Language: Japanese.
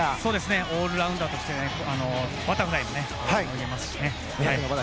オールラウンダーとしてバタフライも泳げますしね。